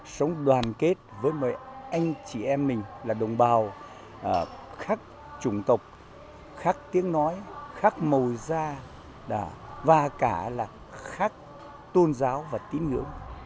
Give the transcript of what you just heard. sống đoàn kết với mọi anh chị em mình là đồng bào khác chủng tộc khác tiếng nói khác màu da và cả là khác tôn giáo và tín ngưỡng